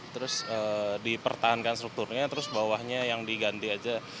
terus dipertahankan strukturnya terus bawahnya yang diganti aja